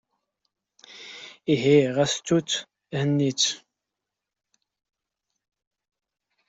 Ihi ɣas ttu-tt. Henni-tt.